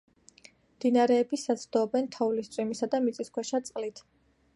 მდინარეების საზრდოობენ თოვლის, წვიმისა და მიწისქვეშა წყლით.